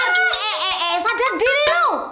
eh eh eh sadar diri lu